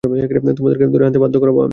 তোমাদেরকে ধরে আনতে বাধ্য করো না।